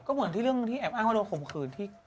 ก็เหมือนที่เรื่องที่แอบอ้างว่าโดนข่มขืนที่